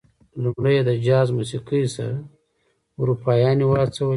لومړی یې له جاز موسيقۍ سره اروپايانې وهڅولې.